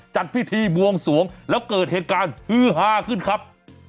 จัดพิธีบวงสวงแล้วเกิดเหตุการณ์ฮือฮาขึ้นครับ